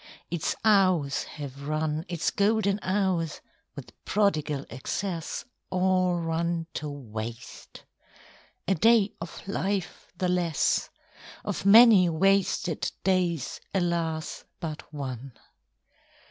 Its hours have run, Its golden hours, with prodigal excess, All run to waste. A day of life the less; Of many wasted days, alas, but one!